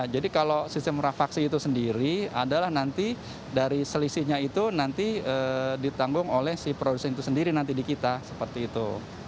jadi kalau sistem rafaksi itu sendiri adalah nanti dari selisihnya itu nanti ditanggung oleh si produsen itu sendiri nanti di kita seperti itu